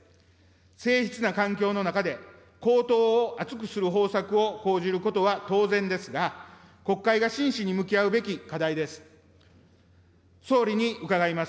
せいひつな環境の中で、皇統を厚くする方策を講じることは当然ですが、国会が真摯に向き合うべき課題です。